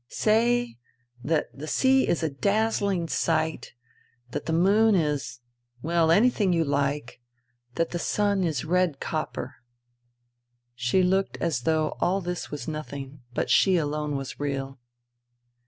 " Say that the sea is a dazzling sight, that the moon is ... well, anything you like, that the sun is red copper.'* She looked as though all this was nothing, but she alone was real.